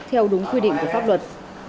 theo đúng quy định của pháp luật